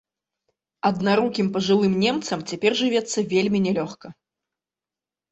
Аднарукім пажылым немцам цяпер жывецца вельмі нялёгка.